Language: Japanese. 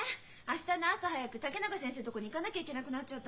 明日の朝早く竹永先生のとこに行かなきゃいけなくなっちゃったのよ。